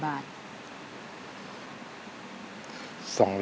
อยากเรียน